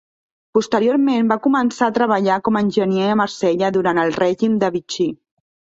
Posteriorment, va començar a treballar com a enginyer a Marsella durant el Règim de Vichy.